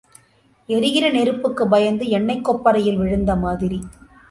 எரிகிற நெருப்புக்குப் பயந்து எண்ணெய்க் கொப்பரையில் விழுந்த மாதிரி.